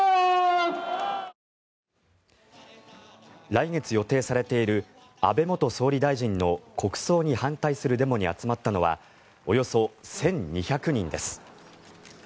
来月予定されている安倍元総理大臣の国葬に反対するデモに集まったのはおよそ１２００人です。